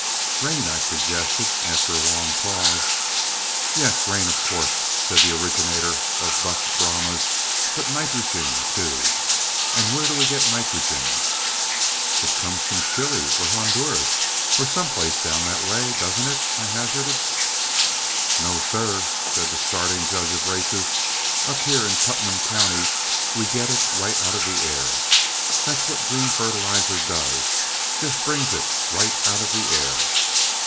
"Rain," I suggested, after a long pause. "Yes, rain, of course," said the originator of Buff Brahmas, "but nitrogen, too. And where do we get nitrogen?" "It comes from Chile, or Honduras, or some place down that way, doesn't it?" I hazarded. "No, sir," said the starting judge of races. "Up here in Putnam County we get it right out of the air. That's what green fertilizer does just brings it right out of the air."